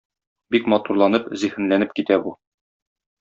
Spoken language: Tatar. Бик матурланып, зиһенләнеп китә бу.